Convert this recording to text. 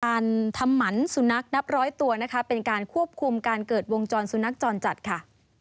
ทำหมันสุนัขนับร้อยตัวนะคะเป็นการควบคุมการเกิดวงจรสุนัขจรจัดค่ะ